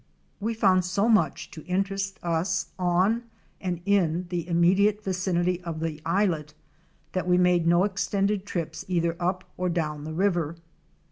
We found so much to interest us on and in the immediate vicinity of the islet that we made no extended trips either up or down the river.